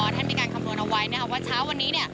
ท่านมีการคำนวณเอาไว้ว่าเช้าวันนี้